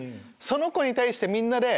その子に対してみんなで。